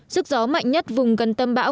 sức gió mạnh nhất vùng gần tâm bão